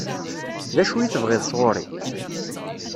D acu i tebɣiḍ sɣur-i?